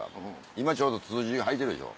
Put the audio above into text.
今ちょうどツツジが咲いてるでしょ。